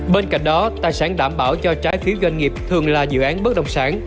bên cạnh đó tài sản đảm bảo cho trái phiếu doanh nghiệp thường là dự án bất động sản